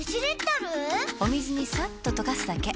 お水にさっと溶かすだけ。